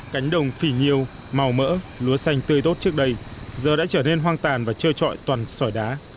cánh đồng phỉ nhiêu màu mỡ lúa xanh tươi tốt trước đây giờ đã trở nên hoang tàn và trơ trọi toàn sỏi đá